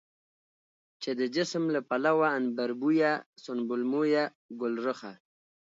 چې د جسم له پلوه عنبربويه، سنبل مويه، ګلرخه،